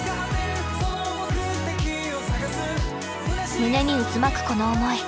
胸に渦巻くこの思い。